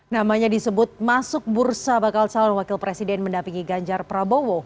namanya disebut masuk bursa bakal calon wakil presiden mendampingi ganjar prabowo